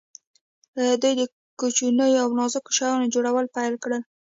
دوی د کوچنیو او نازکو شیانو جوړول پیل کړل.